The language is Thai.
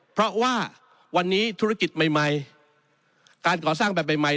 เพราะว่าวันนี้ธุรกิจใหม่การก่อสร้างแบบใหม่